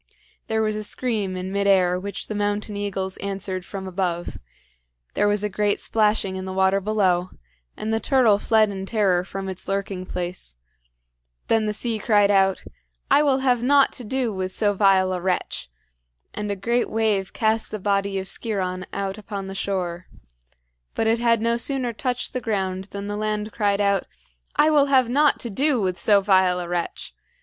There was a scream in mid air which the mountain eagles answered from above; there was a great splashing in the water below, and the turtle fled in terror from its lurking place. Then the sea cried out: "I will have naught to do with so vile a wretch!" and a great wave cast the body of Sciron out upon the shore. But it had no sooner touched the ground than the land cried out: "I will have naught to do with so vile a wretch!"